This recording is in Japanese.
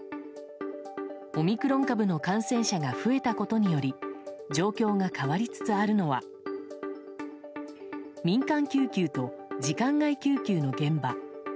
オミクロン株の感染者が増えたことにより状況が変わりつつあるのは民間救急と時間外救急の現場。